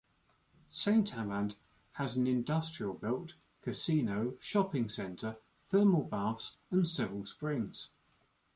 Saint Amand has an industrial belt, casino, shopping centre, thermal baths, and several springs.